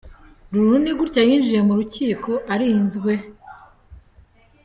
Lulu ni gutya yinjiye mu rukiko arinzwe!.